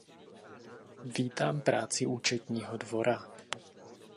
Vítám práci Účetního dvora.